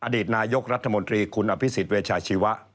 อดีตนายกรัฐมนตรีคุณอภิษฎเวชาชีวะ